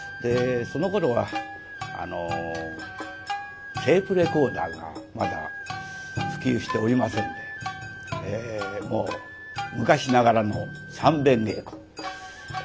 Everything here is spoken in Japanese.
そのころはテープレコーダーがまだ普及しておりませんでもう昔ながらの三遍稽古。